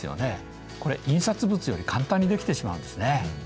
これ印刷物より簡単にできてしまうんですね。